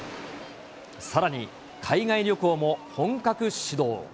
さらに海外旅行も本格始動。